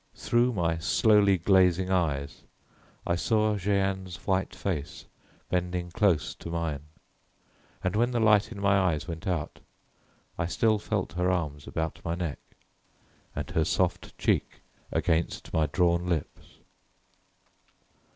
Through my slowly glazing eyes I saw Jeanne's white face bending close to mine, and when the light in my eyes went out I still felt her arms about my neck, and her soft cheek against my drawn lips.